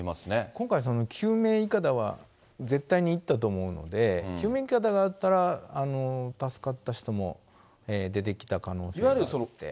今回、救命いかだは絶対にいったと思うので、救命いかだがあったら、助かった人も出てきた可能性があって。